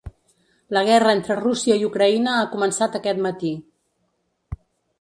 La guerra entre Rússia i Ucraïna ha començat aquest matí.